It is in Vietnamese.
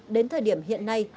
đến thời điểm hiện nay